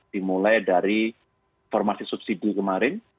dimulai dari formasi subsidi kemarin